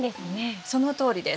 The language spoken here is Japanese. そのとおりです。